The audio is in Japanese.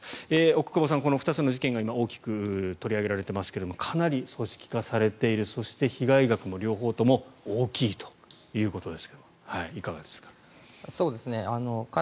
奥窪さん、この２つの事件が大きく取り上げられていますがかなり組織化されているそして被害額も両方とも大きいということですがいかがですか。